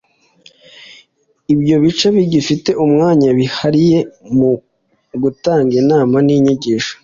Ibyo bice bigifite umwanya wihariye mu gutanga inama n’inyigisho,